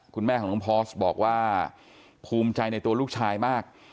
คุณแม่ของน้องพอร์สบอกว่าภูมิใจในตัวลูกชายมาก